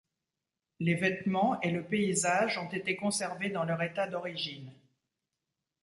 Les vêtements et le paysage ont été conservés dans leur état d'origine.